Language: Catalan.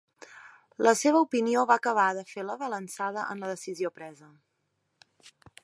La seva opinió va acabar de fer la balançada en la decisió presa.